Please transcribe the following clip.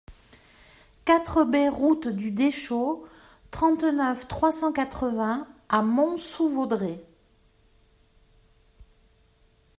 quatre B route du Deschaux, trente-neuf, trois cent quatre-vingts à Mont-sous-Vaudrey